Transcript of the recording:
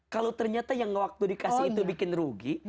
kalau ternyata yang waktu dikasih itu bikin rugi